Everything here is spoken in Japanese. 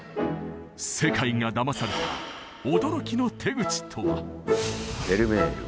世界がだまされた驚きの手口とは？